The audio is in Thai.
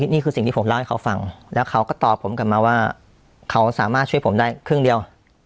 นี่คือสิ่งที่ผมเล่าให้เขาฟังแล้วเขาก็ตอบผมกลับมาว่าเขาสามารถช่วยผมได้ครึ่งเดียว